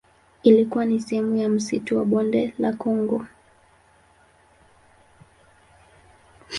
Ilikuwa ni sehemu ya msitu wa Bonde la Kongo.